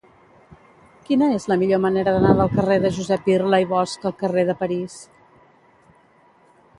Quina és la millor manera d'anar del carrer de Josep Irla i Bosch al carrer de París?